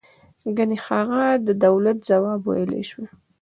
گني هغه د دولت ځواب ویلای شوی.